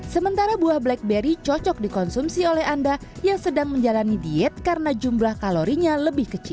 sementara buah blackberry cocok dikonsumsi oleh anda yang sedang menjalani diet karena jumlah kalorinya lebih kecil